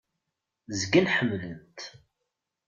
Zgan ḥemmlen-t.